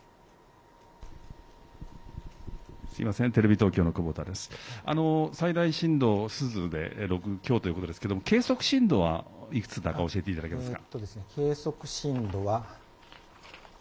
すみません、最大震度、珠洲で６強ということですけれども、計測震度はいくつだか教えていただけますか。